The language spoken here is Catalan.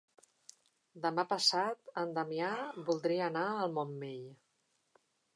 Demà passat en Damià voldria anar al Montmell.